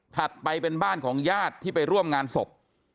ไปเป็นบ้านของญาติที่ไปร่วมงานศพ